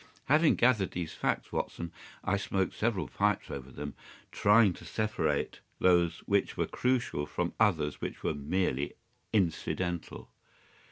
"Having gathered these facts, Watson, I smoked several pipes over them, trying to separate those which were crucial from others which were merely incidental.